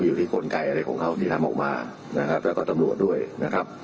มีศาสตราจารย์พิเศษวิชามหาคุณเป็นประเทศด้านกรวมความวิทยาลัยธรม